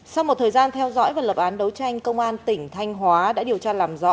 sau một thời gian theo dõi và lập án đấu tranh công an tỉnh thanh hóa đã điều tra làm rõ